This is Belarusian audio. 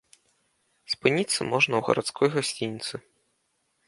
Спыніцца можна ў гарадской гасцініцы.